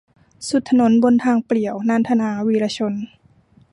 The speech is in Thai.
สุดถนนบนทางเปลี่ยว - นันทนา วีระชน